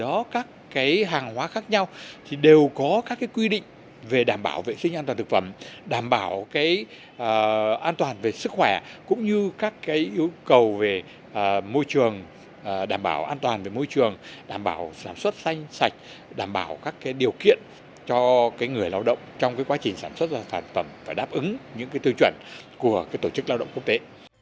về các cái hàng hóa khác nhau thì đều có các cái quy định về đảm bảo vệ sinh an toàn thực phẩm đảm bảo cái an toàn về sức khỏe cũng như các cái yêu cầu về môi trường đảm bảo an toàn về môi trường đảm bảo sản xuất xanh sạch đảm bảo các cái điều kiện cho cái người lao động trong cái quá trình sản xuất ra sản phẩm và đáp ứng những cái thư chuẩn của cái tổ chức lao động quốc tế